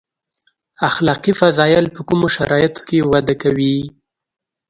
اخلاقي فضایل په کومو شرایطو کې وده کوي.